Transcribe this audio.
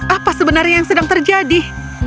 apa sebenarnya yang sedang terjadi